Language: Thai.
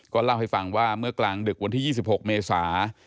เล่าให้ฟังว่าเมื่อกลางดึกวันที่๒๖เมษา